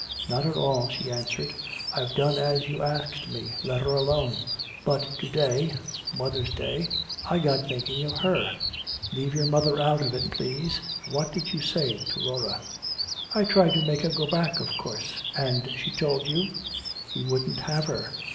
Not at all," she answered. "I've done as you asked me to, let her alone. But to day mother's day I got thinking of her." "Leave your mother out of it, please. What did you say to Laura?" "I tried to make her go back, of course " "And she told you " "He wouldn't have her!